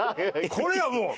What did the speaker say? これはもう。